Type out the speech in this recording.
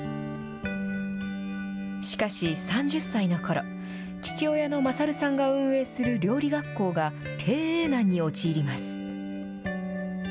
しかし３０歳のころ、父親の勝さんが運営する料理学校が経営難に陥ります。